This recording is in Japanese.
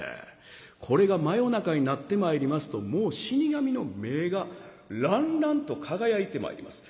これが真夜中になってまいりますともう死神の目がらんらんと輝いてまいります。